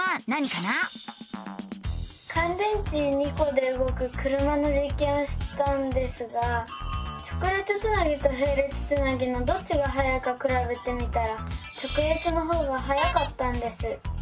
かん電池２コでうごく車のじっけんをしたんですが直列つなぎとへい列つなぎのどっちがはやいかくらべてみたら直列のほうがはやかったんです。